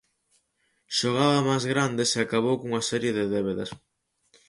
Xogaba mans grandes e acabou cunha serie de débedas.